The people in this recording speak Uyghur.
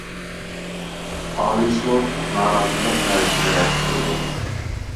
ئالىي سوت نارازىلىق ئەرزنى رەت قىلدى.